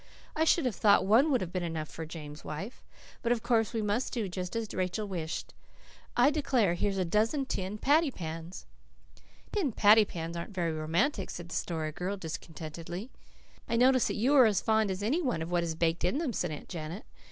I should have thought one would have been enough for James' wife. But of course we must do just as Rachel wished. I declare, here's a dozen tin patty pans!" "Tin patty pans aren't very romantic," said the Story Girl discontentedly. "I notice that you are as fond as any one of what is baked in them," said Aunt Janet.